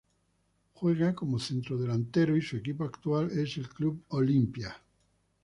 Juega como Centrodelantero y su equipo actual es el Club Olimpia.